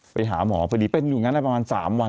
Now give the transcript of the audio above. ไปหาหมอพอดีเป็นอยู่งั้นได้ประมาณ๓วัน